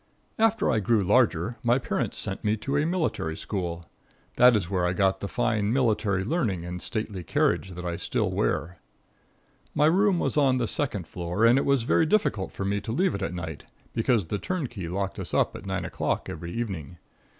After I grew larger, my parents sent me to a military school. That is where I got the fine military learning and stately carriage that I still wear. My room was on the second floor, and it was very difficult for me to leave it at night, because the turnkey locked us up at 9 o'clock every evening.